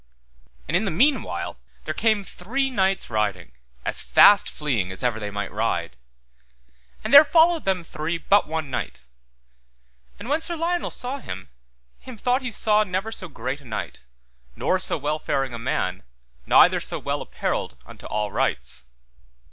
And in the meanwhile there came three knights riding, as fast fleeing as ever they might ride. And there followed them three but one knight. And when Sir Lionel saw him, him thought he saw never so great a knight, nor so well faring a man, neither so well apparelled unto all rights.